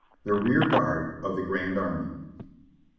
The rear guard of the grand army.